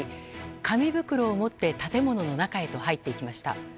紙袋を持って建物の中へと入っていきました。